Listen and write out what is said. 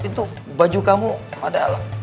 itu baju kamu padahal